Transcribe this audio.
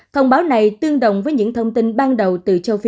thông báo này tương đồng với những thông tin ban đầu từ châu phi